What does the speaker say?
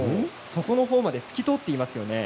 底の方まで透き通っています